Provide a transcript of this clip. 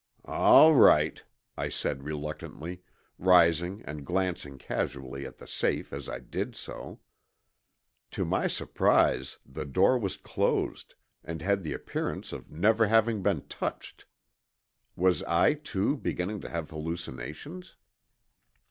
"All right," I said reluctantly, rising and glancing casually at the safe as I did so. To my surprise the door was closed and had the appearance of never having been touched. Was I too beginning to have hallucinations?